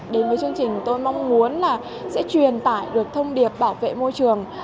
đến với chương trình tôi mong muốn là sẽ truyền tải được thông điệp bảo vệ môi trường